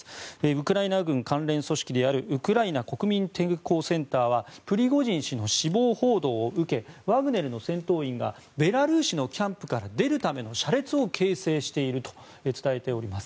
ウクライナ軍関連組織であるウクライナ国民抵抗センターはプリゴジン氏の死亡報道を受けワグネルの戦闘員がベラルーシのキャンプから出るための車列を形成していると伝えております。